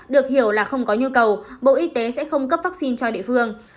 được hiểu là không có nhu cầu bộ y tế sẽ không cấp vaccine cho địa phương